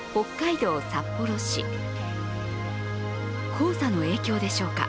黄砂の影響でしょうか